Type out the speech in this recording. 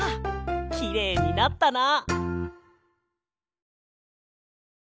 きれいになったな！